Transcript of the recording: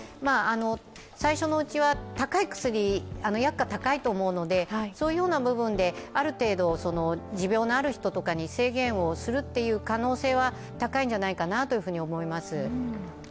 最初のうちは薬価が高いと思うので、そのような部分である程度持病のある人とかに制限する可能性は高いんじゃないかなと思います。